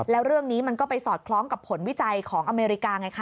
แล้วเรื่องนี้มันก็ไปสอดคล้องกับผลวิจัยของอเมริกาไงคะ